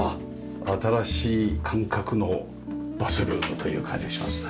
新しい感覚のバスルームという感じがしますね。